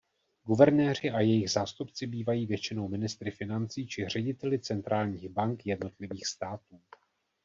Guvernéři a jejich zástupci bývají většinou ministry financí či řediteli centrálních bank jednotlivých států.